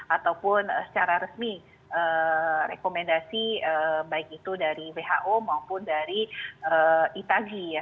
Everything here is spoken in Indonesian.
ataupun secara resmi rekomendasi baik itu dari who maupun dari itagi